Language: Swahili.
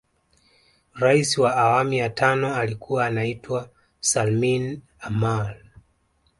Rais wa awamu ya tano alikuwa anaitwa Salmin Amour